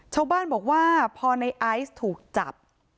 ชาวบ้านบอกว่าพอในไอซ์ถูกจับ